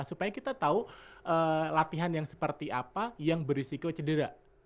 supaya kita tahu latihan yang seperti apa yang berisiko cedera